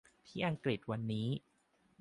ที่อังกฤษวันนี้